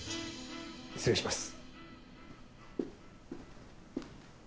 失礼します。